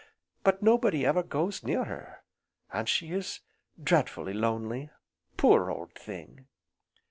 But nobody ever goes near her, and she is dreadfully lonely, poor old thing!"